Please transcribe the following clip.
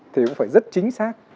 thì cũng phải rất chính xác